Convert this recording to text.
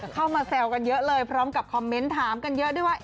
เข้ามาแซวกันเยอะเลยพร้อมกับคอมเมนต์ถามกันเยอะด้วยว่า